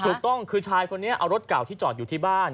ถูกต้องคือชายคนนี้เอารถเก่าที่จอดอยู่ที่บ้าน